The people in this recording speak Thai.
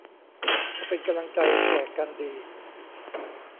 จะเป็นกำลังใจแก่กันดี